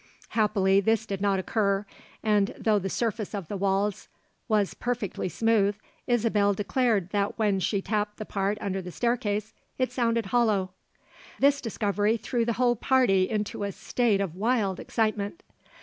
Happily this did not occur, and though the surface of the walls was perfectly smooth, Isabelle declared that when she tapped the part under the staircase it sounded hollow. This discovery threw the whole party into a state of wild excitement.